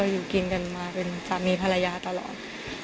อยู่กินกันมาเป็นสามีภรรยาตลอด